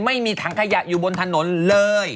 ไม่มีถังขยะอยู่บนถนนเลย